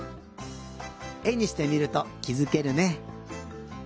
えにしてみるときづけるね。